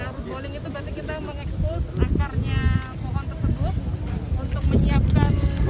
root bowling itu berarti kita mengekspos akarnya pohon tersebut